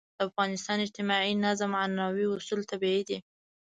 د افغانانو اجتماعي نظم عنعنوي اصول طبیعي دي.